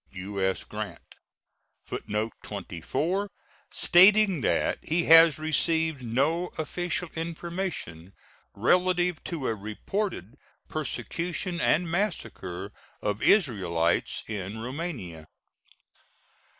U.S. GRANT. [Footnote 24: Stating that he has received no official information relative to a reported persecution and massacre of Israelites in Roumania.